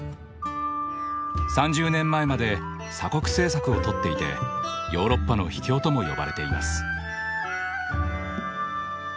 ３０年前まで鎖国政策をとっていてヨーロッパの秘境とも呼ばれています。